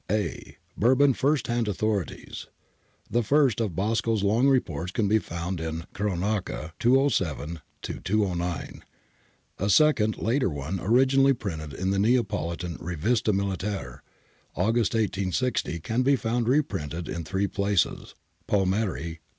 A. Bourbon first hand authorities. — The first of Bosco's long reports can be found in Cronaca, 207 209. A second, later one, originally printed in the Neapolitan Rivista Militare, August, i860, can be found reprinted in three places — Palm ieri, p.